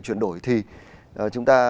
chuyển đổi thì chúng ta